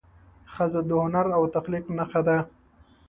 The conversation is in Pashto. ښځه د هنر او تخلیق نښه ده.